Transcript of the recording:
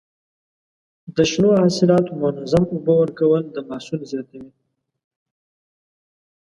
د شنو حاصلاتو منظم اوبه ورکول د محصول زیاتوي.